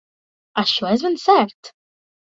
Això és ben cert.